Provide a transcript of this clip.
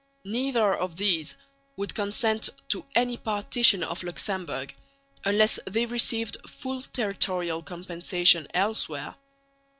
Neither of these would consent to any partition of Luxemburg, unless they received full territorial compensation elsewhere.